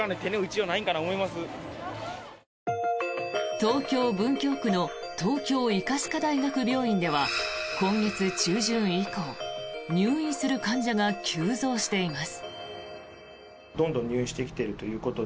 東京・文京区の東京医科歯科大学病院では今月中旬以降入院する患者が急増しています。